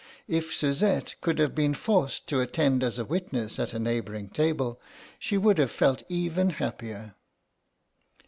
If Suzette could have been forced to attend as a witness at a neighbouring table she would have felt even happier.